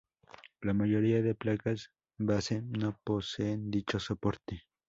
La mayoría de placas base no poseen dicho soporte.